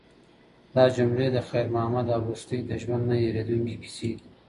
دا جملې د خیر محمد او لښتې د ژوند نه هیریدونکې کیسې دي.